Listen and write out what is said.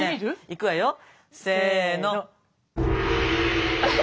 いくわよせの。